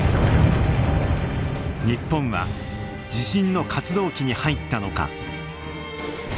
日本は地震の活動期に入ったのか。